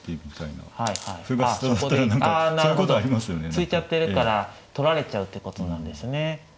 突いちゃってるから取られちゃうってことなんですね。